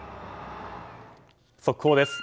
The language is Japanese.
速報です。